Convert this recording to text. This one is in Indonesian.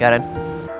terima kasih mbak